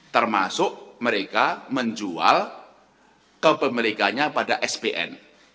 termasuk mereka menjual kepemilikannya pada spn